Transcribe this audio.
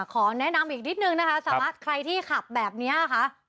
ขอแนะนำอีกนิดนึงนะคะสามารถใครที่ขับแบบนี้ค่ะ